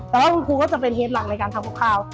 แล้วคุณครูก็จะเป็นเหตุหลักในการทำข้าว